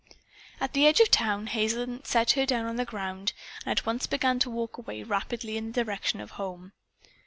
At the edge of the town, Hazen set her on the ground and at once began to walk rapidly away in the direction of home.